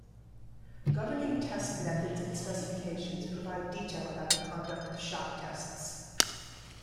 Governing test methods and specifications provide detail about the conduct of shock tests.